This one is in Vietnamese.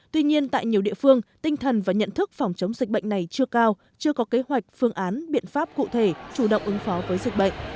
tuy nhiên tại nhiều địa phương tinh thần và nhận thức phòng chống dịch bệnh này chưa cao chưa có kế hoạch phương án biện pháp cụ thể chủ động ứng phó với dịch bệnh